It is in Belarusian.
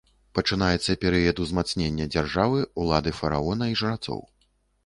Пачынаецца перыяд узмацнення дзяржавы, улады фараона і жрацоў.